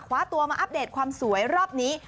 คว้าตัวมาอัปเดตความสวยรอบนี้